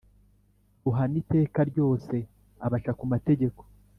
ruhana iteka ryose abaca ku mategeko.